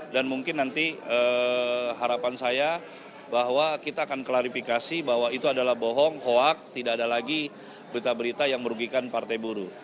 dan mungkin nanti harapan saya bahwa kita akan klarifikasi bahwa itu adalah bohong hoax tidak ada lagi berita berita yang merugikan partai buruh